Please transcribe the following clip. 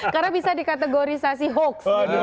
karena bisa dikategorisasi hoax